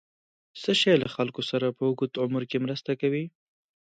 څه شی له خلکو سره په اوږد عمر کې مرسته کوي؟